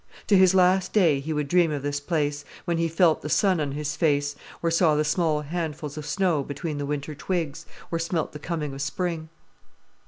To his last day, he would dream of this place, when he felt the sun on his face, or saw the small handfuls of snow between the winter twigs, or smelt the coming of spring.